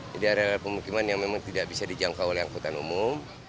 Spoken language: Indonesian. jadi area pemukiman yang memang tidak bisa dijangkau oleh angkutan umum